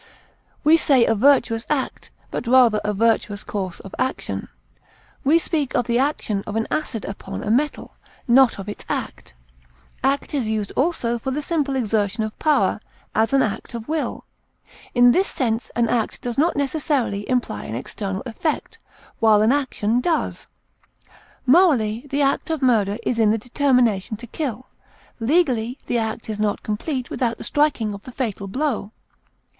We say a virtuous act, but rather a virtuous course of action. We speak of the action of an acid upon a metal, not of its act. Act is used, also, for the simple exertion of power; as, an act of will. In this sense an act does not necessarily imply an external effect, while an action does. Morally, the act of murder is in the determination to kill; legally, the act is not complete without the striking of the fatal blow.